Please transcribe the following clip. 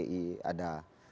ada kepala negara